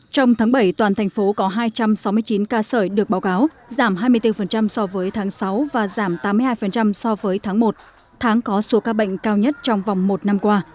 trong tháng bảy toàn thành phố có hai trăm sáu mươi chín ca sởi được báo cáo giảm hai mươi bốn so với tháng sáu và giảm tám mươi hai so với tháng một tháng có số ca bệnh cao nhất trong vòng một năm qua